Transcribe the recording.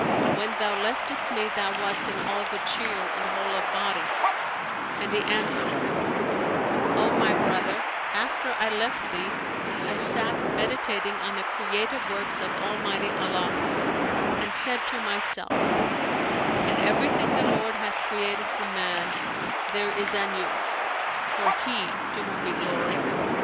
When thou leftest me, thou wast in all good cheer and whole of body," and he answered, "O my brother, after I left thee, I sat meditating on the creative works of Almighty Allah, and said to myself: In every thing the Lord hath created for man, there is an use; for He (to Whom be glory!)